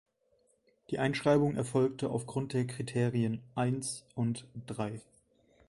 Die Einschreibung erfolgte aufgrund der Kriterien (i) und (iii).